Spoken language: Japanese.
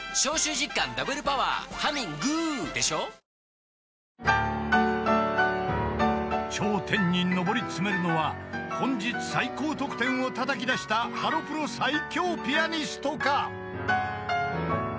明治おいしい牛乳［頂点に上り詰めるのは本日最高得点をたたき出したハロプロ最強ピアニストか？］